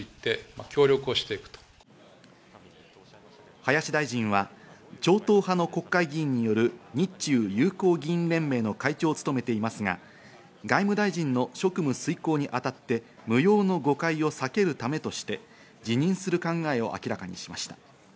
林大臣は超党派の国会議員による日中友好議員連盟の会長を務めていますが、外務大臣の職務遂行に当たって無用の誤解を避けるためとして、辞任する考えを明らかにしました。